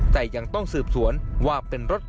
แต่ยังต้องสืบสวนว่าเป็นรถ